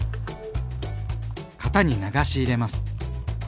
型に流し入れます。